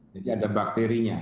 jadi ada bakterinya